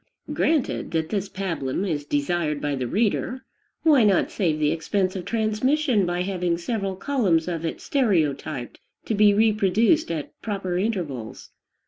Granted that this pabulum is desired by the reader, why not save the expense of transmission by having several columns of it stereotyped, to be reproduced at proper intervals?